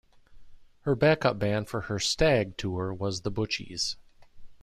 Her backup band for her "Stag" tour was The Butchies.